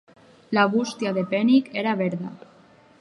La bústia de penic era verda.